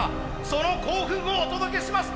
「その興奮をお届けします」。